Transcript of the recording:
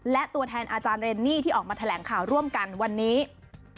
และตัวแทนอาจารย์เรนนี่ที่ออกมาแถลงข่าวร่วมกันวันนี้